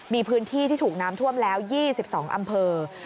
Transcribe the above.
มีพื้นที่ที่ถูกน้ำท่วมแล้ว๒๒อำเภอ